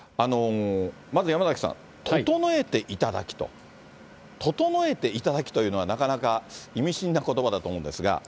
まず山崎さん、整えていただきと、整えていただきというのは、なかなか意味深なことばだと思うんですが。